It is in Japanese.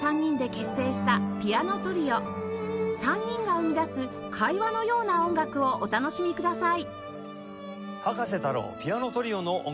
３人が生み出す会話のような音楽をお楽しみください